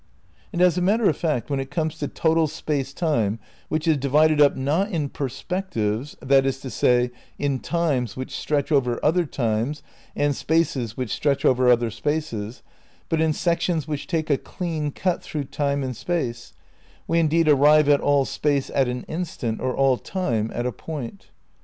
And as a matter of fact, when it comes to total Space Time, which is divided up, not in perspectives, that is to say, in times which stretch over other times and spaces which stretch over other spaces, but in sections which take a clean cut through Time and Space, we indeed arrive at all Space at an instant, or all Time at a point.